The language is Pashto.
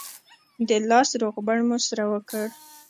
د لاس روغبړ مو سره وکړ.